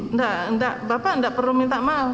enggak enggak bapak enggak perlu minta maaf